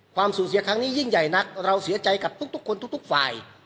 สูญเสียครั้งนี้ยิ่งใหญ่นักเราเสียใจกับทุกคนทุกฝ่าย